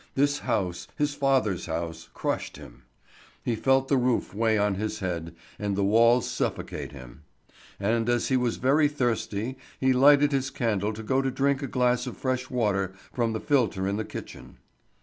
This house, his father's house, crushed him. He felt the roof weigh on his head, and the walls suffocate him. And as he was very thirsty he lighted his candle to go to drink a glass of fresh water from the filter in the kitchen.